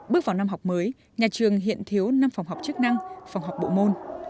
bước vào năm học mới nhà trường hiện thiếu năm phòng học chức năng phòng học bộ môn